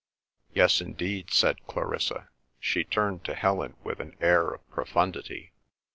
"Yes, indeed," said Clarissa. She turned to Helen with an air of profundity.